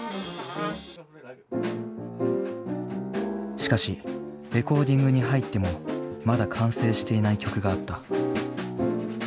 しかしレコーディングに入ってもまだ完成していない曲があった。